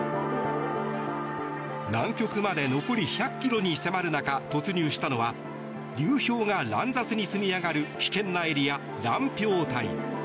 南極まで残り１００ｋｍに迫る中突入したのは流氷が乱雑に積み上がる危険なエリア、乱氷帯。